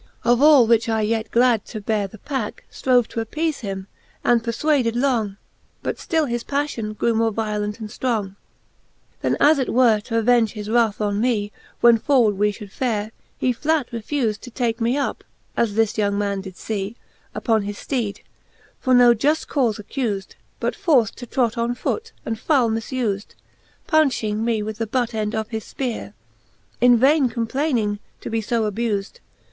Of all which I yet glad to beare the packe, Strove to appeale him, and perfvvaded long: But ftill his paffion grew more violent and ftrong, XXII. Then, as it were t'avenge his wrath on mee. When forward we fhould fare, he flat refuled To take me up, as this young man did fee, Upon his fteed, for no juft accufedy But forft to trot on foot, and foule fflifuied; Pounching me with the butt end of his fpeare, In vaine complayning, to be io abufed.